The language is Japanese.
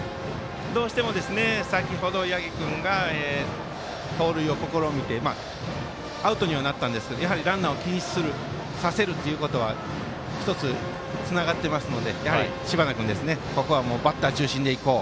どうしても先ほど八木君が盗塁を試みてアウトにはなったんですけどランナーを気にさせるということはつながってますので、知花君ここはバッター中心でいこう。